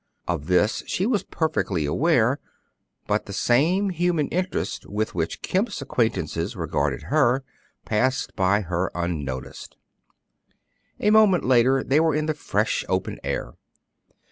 Of this she was perfectly aware, but the same human interest with which Kemp's acquaintances regarded her passed by her unnoticed. A moment later they were in the fresh, open air.